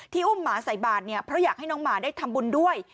อุ้มหมาใส่บาทเนี่ยเพราะอยากให้น้องหมาได้ทำบุญด้วย